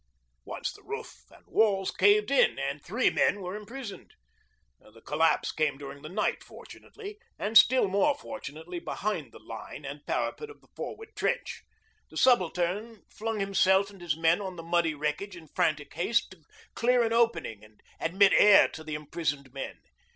Once the roof and walls caved in, and three men were imprisoned. The collapse came during the night, fortunately, and, still more fortunately behind the line and parapet of the forward trench. The Subaltern flung himself and his men on the muddy wreckage in frantic haste to clear an opening and admit air to the imprisoned men.